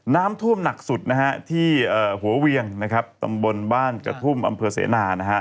น้ำท่วมหนักสุดที่หัวเวียงตำบลบ้านกระทุ่มอำเภอเสนา